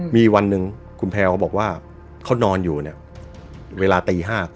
มีวันหนึ่งคุณแพลวก็บอกว่าเขานอนอยู่เนี่ยเวลาตี๕